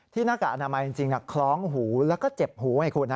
หน้ากากอนามัยจริงคล้องหูแล้วก็เจ็บหูให้คุณ